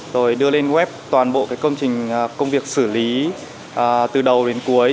rồi đưa lên web toàn bộ công trình công việc xử lý từ đầu đến cuối